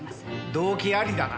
動機ありだな。